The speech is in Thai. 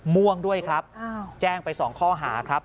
ม่วงด้วยครับแจ้งไป๒ข้อหาครับ